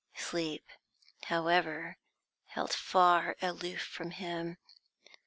Sleep, however, held far aloof from him.